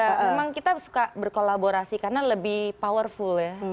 ya memang kita suka berkolaborasi karena lebih powerful ya